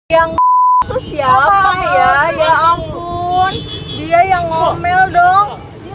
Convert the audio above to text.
yang itu siapa ya ya ampun dia yang ngomel dong